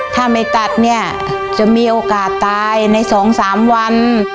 ถ้าไม่ตัดเนี่ยจะมีโอกาสตายใน๒๓วัน